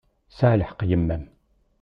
Tesɛa lḥeqq yemma-m.